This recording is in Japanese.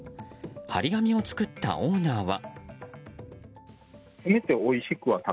貼り紙を作ったオーナーは。